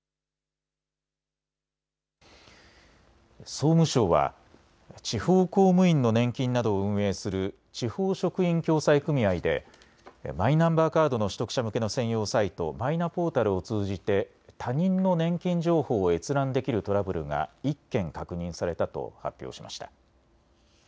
総務省は地方公務員の年金などを運営する地方職員共済組合でマイナンバーカードの取得者向けの専用サイト、マイナポータルを通じて他人の年金情報を閲覧できるトラブルが１件確認されたと発表しました。